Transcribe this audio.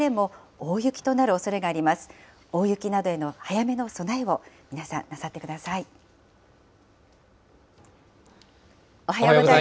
大雪などへの早めの備えを皆さん、なさってください。